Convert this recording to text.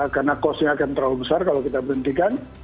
karena kosnya akan terlalu besar kalau kita berhentikan